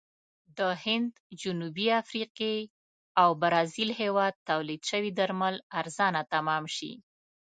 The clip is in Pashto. د هند، جنوبي افریقې او برازیل هېواد تولید شوي درمل ارزانه تمام شي.